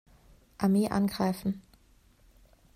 Armee angreifen.